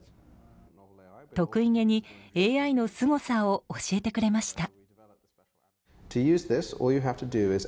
得意げにＡＩのすごさを教えてくれました。